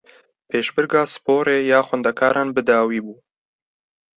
Pêşbirka sporê ya xwendekaran bi dawî bû